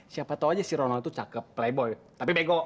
siapa tau aja si ronald itu cakep playbo tapi bego